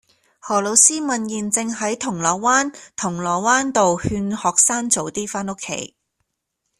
何老師問現正在銅鑼灣銅鑼灣道勸學生早啲返屋企